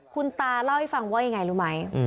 คุณตาเล่าให้ฟังว่ายังไงรู้ไหม